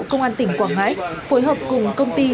công an tỉnh quảng ngãi phối hợp cùng công ty